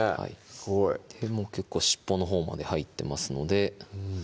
すごい結構尻尾のほうまで入ってますのでうん